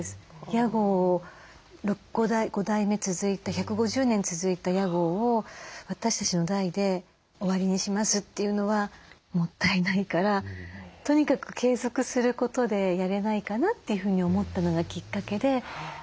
屋号を５代目続いた１５０年続いた屋号を私たちの代で終わりにしますというのはもったいないからとにかく継続することでやれないかなというふうに思ったのがきっかけで。